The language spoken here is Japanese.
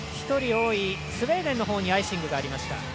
１人多いスウェーデンにアイシングがありました。